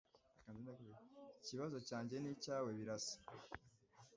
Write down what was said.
Ikibazo cyawe nicyanjye birasa